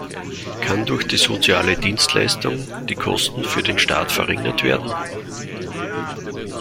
Kann durch die Soziale Dienstleistung die Kosten für den Staat verringert werden?